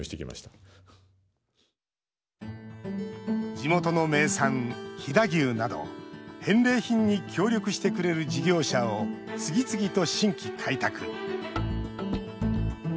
地元の名産、飛騨牛など返礼品に協力してくれる事業者を次々と新規開拓。